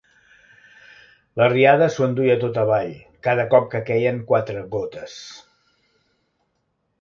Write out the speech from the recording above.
La riada s'ho enduia tot avall cada cop que queien quatre gotes.